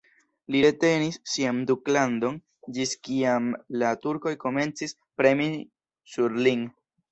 Li retenis sian duklandon ĝis kiam la turkoj komencis premi sur lin.